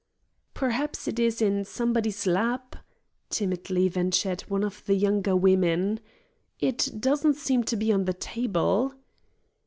"Perhaps it is in somebody's lap," timidly ventured one of the younger women. "It doesn't seem to be on the table."